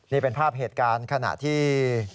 นี่เป็นภาพเหตุการณ์ขณะที่